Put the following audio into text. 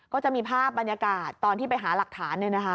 ก็จะมีภาพบรรยากาศตอนที่ไปหาหลักฐาน